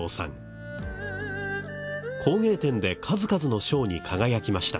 工芸展で数々の賞に輝きました。